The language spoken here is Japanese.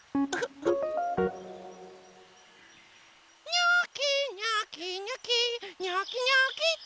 にょきにょきにょきにょきにょきと！